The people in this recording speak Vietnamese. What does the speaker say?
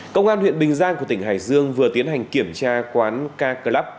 công an huyện bình giang của tỉnh hải dương vừa tiến hành kiểm tra quán k club